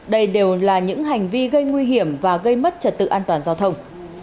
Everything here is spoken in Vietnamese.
đây đều là những hành vi gây nguy hiểm và gây mất trật tự an toàn giao thông